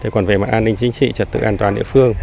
còn về mặt an ninh chính trị trật tự an toàn địa phương